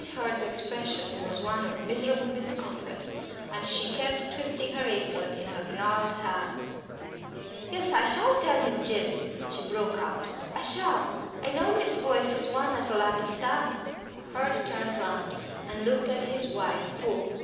Hurd's expression was one of miserable discomfort, and she kept twisting her apron in her gnarled hands. "Yes, I shall tell, Jim!" she broke out. "I shall. I know Miss Boyce is one as ull understand " Hurd turned round and looked at his wife full.